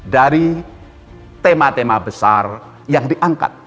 dari tema tema besar yang diangkat